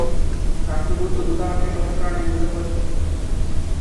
রাষ্ট্রদূত ও দূতাবাসের সদস্যরা নিয়মিত পরিদর্শন করে থাকেন।